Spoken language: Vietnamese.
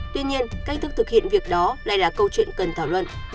tuy nhiên cách thức thực hiện việc đó lại là câu chuyện cần thảo luận